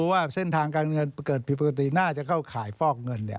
ว่าเส้นทางการเงินเกิดผิดปกติน่าจะเข้าข่ายฟอกเงิน